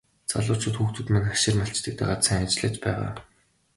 Залуучууд хүүхдүүд маань хашир малчдыг дагаад сайн ажиллаж байгаа.